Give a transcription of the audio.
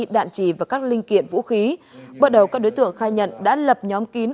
đạn trì và các linh kiện vũ khí bắt đầu các đối tượng khai nhận đã lập nhóm kín